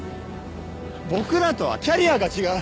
僕らとはキャリアが違う。